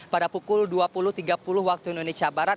pada pukul dua puluh tiga puluh waktu indonesia barat